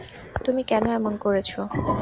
তুমি কেন এমন করেছো?